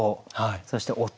そして音。